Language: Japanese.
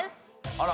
あら？